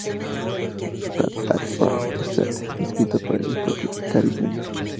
Hosts Tales from the Set", escrito por el propio Carey Jr.